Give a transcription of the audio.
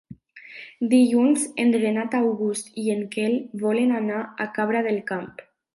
Dilluns en Renat August i en Quel volen anar a Cabra del Camp.